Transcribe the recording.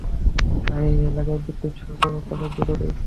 তাই এই এলাকায় বিদ্যুৎ সরবরাহ করা জরুরি।